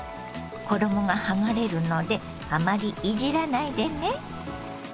衣が剥がれるのであまりいじらないでね。